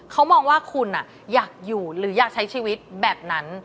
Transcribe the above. เขามองว่าคุณอยากอยู่หรืออยากใช้ชีวิตแบบนั้น